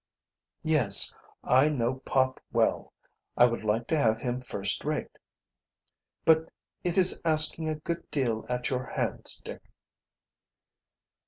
"Yes, I know Pop well. I would like to have him first rate. But it is asking a good deal at your hands, Dick."